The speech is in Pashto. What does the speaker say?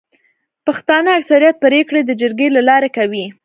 پښتانه اکثريت پريکړي د جرګي د لاري کوي.